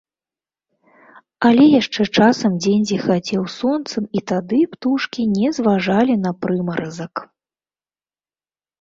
Але яшчэ часам дзень зіхацеў сонцам, і тады птушкі не зважалі на прымаразак.